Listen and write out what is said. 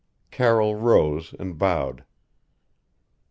Carroll rose and bowed.